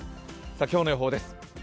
今日の予報です。